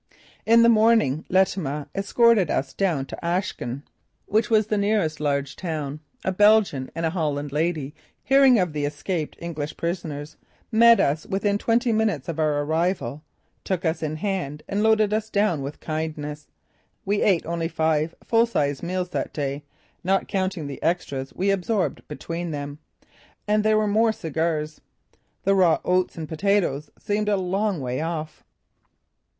In the morning Letema escorted us down to Aaschen, which was the nearest large town. A Belgian and a Holland lady, hearing of the escaped English prisoners, met us within twenty minutes of our arrival, took us in hand and loaded us down with kindnesses. We ate only five full sized meals that day, not counting the extras we absorbed between them. And there were more cigars. The raw oats and potatoes seemed a long way off.